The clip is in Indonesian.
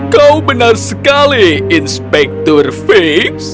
kau benar sekali inspektur fits